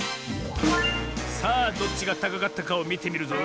さあどっちがたかかったかをみてみるぞ。